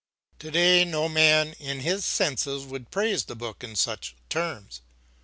Today no man in his senses would praise the book in such terms.